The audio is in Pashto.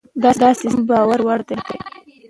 دا سیستم باور وړ دی.